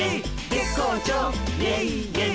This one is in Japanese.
「月光町イエイイエイ」